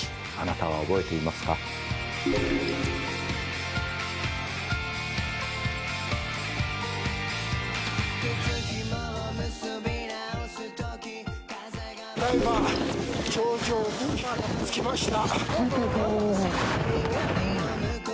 ただ今頂上に着きました。